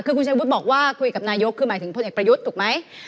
คือคุณชัยวุฒิบอกว่าคุยกับนายกคือหมายถึงพลเอกประยุทธ์ถูกไหม